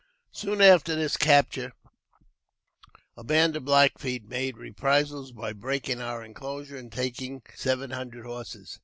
*■ Soon after this capture, a band of Black Feet made reprisals by breaking our enclosure and take seven hundred horses.